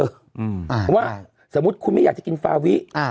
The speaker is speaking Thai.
เพราะว่าสมมุติคุณไม่อยากจะกินฟาวิ